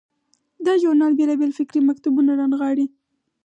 دا ژورنال بیلابیل فکري مکتبونه رانغاړي.